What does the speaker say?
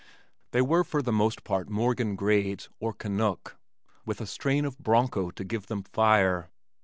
They were for the most part Morgan grades or "Canuck," with a strain of broncho to give them fire.